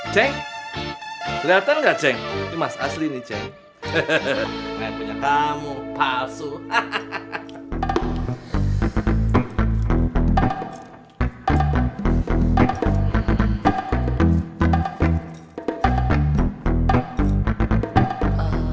cenk kelihatan enggak cenk emas asli nih cenk hehehe kamu palsu hahaha